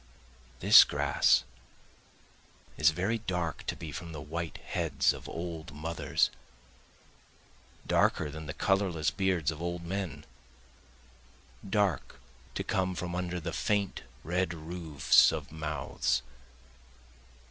This grass is very dark to be from the white heads of old mothers, Darker than the colorless beards of old men, Dark to come from under the faint red roofs of mouths.